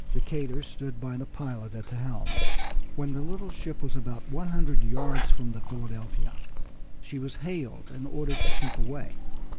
Decatur stood by the pilot at the helm. When the little ship was about one hundred yards from the Philadelphia she was hailed and ordered to keep away.